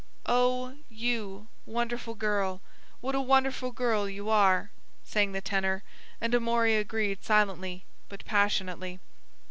"Oh—you—wonderful girl, What a wonderful girl you are—" sang the tenor, and Amory agreed silently, but passionately.